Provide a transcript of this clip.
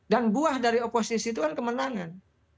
dan buah dari oposisi itu kan kemenangan